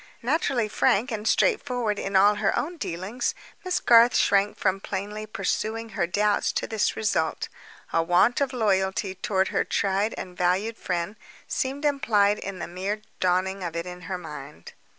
Naturally frank and straightforward in all her own dealings, Miss Garth shrank from plainly pursuing her doubts to this result: a want of loyalty toward her tried and valued friend seemed implied in the mere dawning of it on her mind.